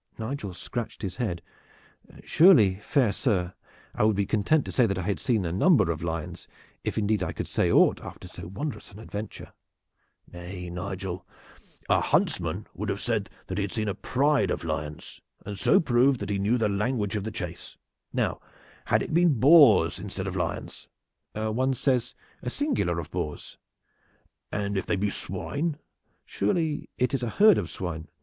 Nigel scratched his head. "Surely, fair sir, I would be content to say that I had seen a number of lions, if indeed I could say aught after so wondrous an adventure." "Nay, Nigel, a huntsman would have said that he had seen a pride of lions, and so proved that he knew the language of the chase. Now had it been boars instead of lions?" "One says a singular of boars." "And if they be swine?" "Surely it is a herd of swine."